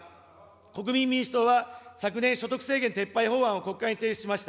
国民民主党は昨年、所得制限撤廃法案を国会に提出しました。